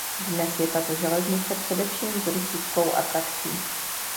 Dnes je tato železnice především turistickou atrakcí.